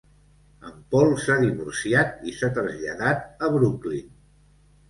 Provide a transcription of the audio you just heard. En Paul s'ha divorciat i s'ha traslladat a Brooklyn.